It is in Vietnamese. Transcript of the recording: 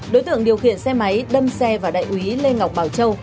đối tượng điều khiển xe máy đâm xe vào đại úy lê ngọc bảo châu